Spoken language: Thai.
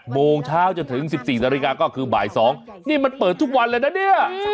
โมงเช้าจนถึง๑๔นาฬิกาก็คือบ่าย๒นี่มันเปิดทุกวันเลยนะเนี่ย